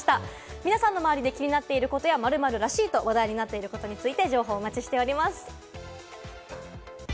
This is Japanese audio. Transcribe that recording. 皆さんの周りで気になっていることや「〇〇らしい」と話題になっていることなど、皆さまの情報をお待ちしております。